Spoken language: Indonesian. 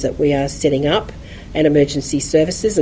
yang kita sedang menetapkan dan servis kecemasan